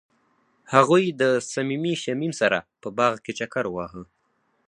هغوی د صمیمي شمیم سره په باغ کې چکر وواهه.